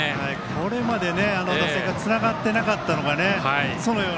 これまで打席がつながっていなかったのがう